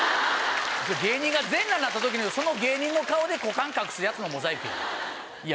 芸人が全裸になった時その芸人の顔で股間隠すやつのモザイクやん。